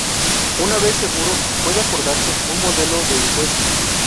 Una vez seguro, puede acordarse un modelo de encuesta.